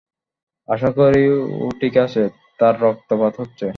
আশাকরি ও ঠিক আছে, - তার রক্তপাত হচ্ছে।